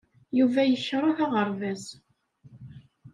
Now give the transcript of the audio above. Yuba yekṛeh aɣerbaz.